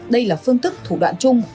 đây là phương tức thủ đoạn chung